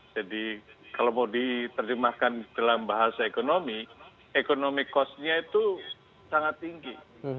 jadi kalau mau diterjemahkan dalam bahasa ekonomi ekonomi cost nya itu sangat tinggi